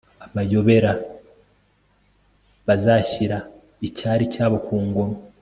Amayobera bazashyira icyari cyabo ku ngoma